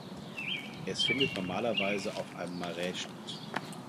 Es findet normalerweise auf einem Marae statt.